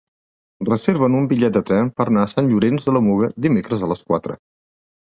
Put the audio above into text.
Reserva'm un bitllet de tren per anar a Sant Llorenç de la Muga dimecres a les quatre.